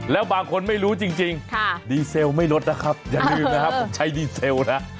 แล้วบางคนไม่รู้จริงดีเซลไม่ลดนะครับอย่าลืมนะครับผมใช้ดีเซลนะ